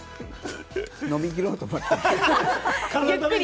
飲み切ろうと思って。